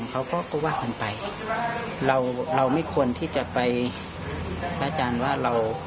เขาก็ก็ว่ากันไปเราเราไม่ควรที่จะไปพระอาจารย์ว่าเรา